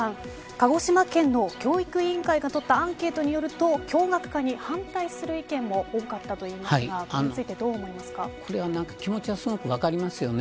鹿児島県の教育委員会が取ったアンケートによると共学化に反対する意見も多かったといいますが気持ちはすごく分かりますよね。